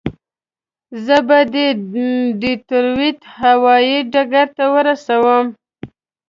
زه به دې ډیترویت هوایي ډګر ته ورسوم.